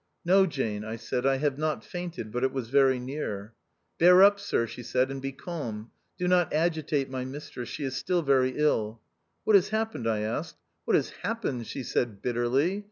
"No, Jane," I said, "I have not fainted, but it was very near." " Bear up, Sir," she said, and be calm. Do not agitate my mistress ; she is still very ill ." "What has happened?" I asked. "What has happened! she said bitterly.